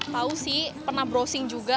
tahu sih pernah browsing juga